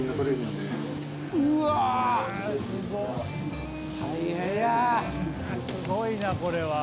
すごいなこれは。